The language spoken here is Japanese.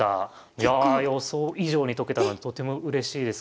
いや予想以上に解けたのでとてもうれしいです。